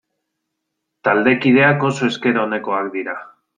Taldekideak oso esker onekoak dira.